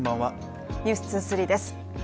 「ｎｅｗｓ２３」です。